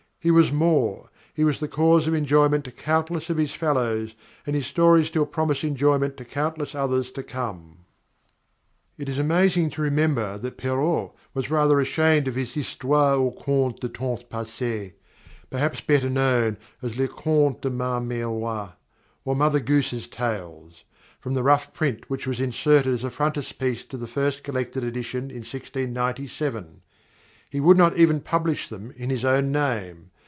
He was more. He was the cause of enjoyment to countless of his fellows, and his stories still promise enjoyment to countless others to come._ _It is amazing to remember that Perrault was rather ashamed of his "Histoires ou Contes du Temps Passé" perhaps better known as "Les Contes de ma Mère l'Oye," or "Mother Goose's Tales," from the rough print which was inserted as a frontispiece to the first collected edition in 1697. He would not even publish them in his own name.